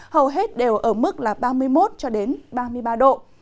hầu hết đều ở mức ba mươi một ba mươi ba độ